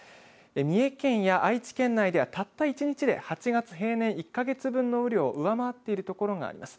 三重県や愛知県内ではたった１日で８月平年１か月分の雨量を上回っている所があります。